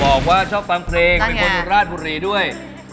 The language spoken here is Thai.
บอกว่าชอบฟังเพลงเป็นคนราชบุรีด้วย